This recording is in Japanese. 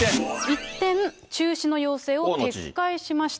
一転、中止の要請を撤回しました。